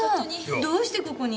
どうしてここに？